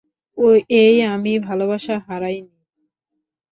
এই, আমি ভালবাসা হারাই নি।